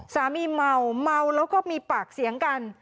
สามีเมาเมาแล้วก็มีปากเสียงกัน